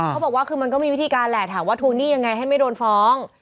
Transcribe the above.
เขาบอกว่าคือมันก็มีวิธีการแหละถามว่าทวงหนี้ยังไงให้ไม่โดนฟ้อง